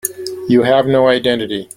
You have no identity.